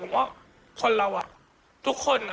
ผมว่าคนเราทุกคน